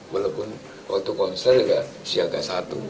walaupun waktu konser nggak siaga satu